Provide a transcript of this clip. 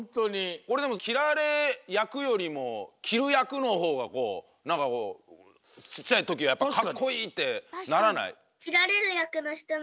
おれでもきられやくよりもきるやくのほうがなんかちっちゃいときやっぱかっこいいってならない？